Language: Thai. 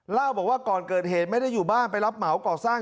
เล่าบอกว่าก่อนเกิดเหตุไม่ได้อยู่บ้านไปรับเหมาก่อสร้าง